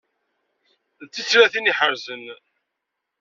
D tislatin iḥerzen.